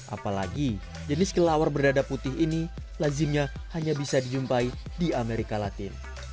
apalagi jenis kelelawar berdada putih ini lazimnya hanya bisa dijumpai di amerika latin